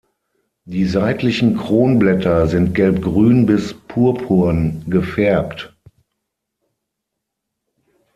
Die seitlichen Kronblätter sind gelbgrün bis purpurn gefärbt.